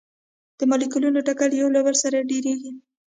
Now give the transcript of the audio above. د مالیکولونو ټکر یو بل سره ډیریږي.